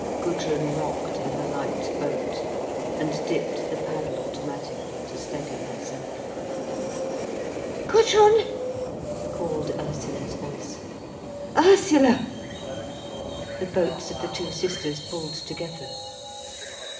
Gudrun rocked in her light boat, and dipped the paddle automatically to steady herself. "Gudrun?" called Ursula's voice. "Ursula!" The boats of the two sisters pulled together.